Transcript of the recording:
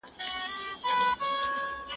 تور به دې زاغان نه وي ته به یې او زه به یم.